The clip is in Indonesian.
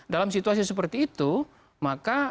dalam situasi seperti itu maka